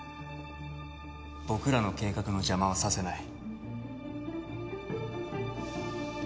僕らの計画の邪魔はさせない